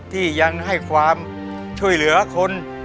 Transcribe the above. ที่ยังให้ความช่วยเหลือคน